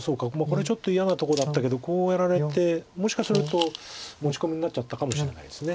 これちょっと嫌なとこだったけどこうやられてもしかすると持ち込みになっちゃったかもしれないです。